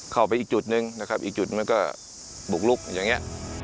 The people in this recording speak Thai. เข้าไปอีกจุดหนึ่งอีกจุดมันก็บุกลุกอย่างนี้